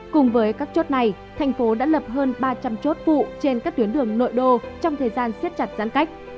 cùng với các chốt này tp hcm đã lập hơn ba trăm linh chốt vụ trên các tuyến đường nội đô trong thời gian siết chặt giãn cách